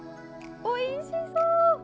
おいしそう。